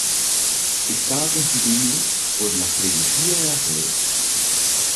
Estaba constituido por la freguesía de la sede.